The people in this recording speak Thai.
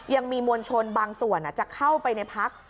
ยังมีมวลชนบางส่วนจะเข้าไปในพัก